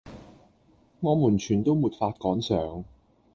我們全都沒法趕上！